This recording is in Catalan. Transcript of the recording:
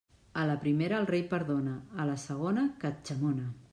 A la primera, el rei perdona; a la segona, catxamona.